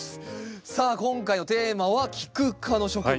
さあ今回のテーマはキク科の植物。